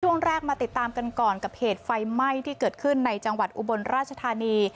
ช่วงแรกมาติดตามกันก่อนกับเหตุไฟไหม้ที่เกิดขึ้นในจังหวัดอุบลราชธานี